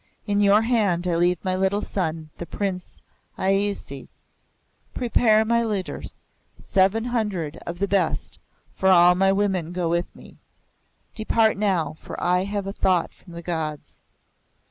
In your hand I leave my little son, the Prince Ajeysi. Prepare my litters, seven hundred of the best, for all my women go with me. Depart now, for I have a thought from the Gods."